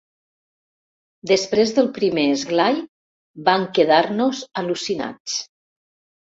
Després del primer esglai, vam quedar-nos al·lucinats.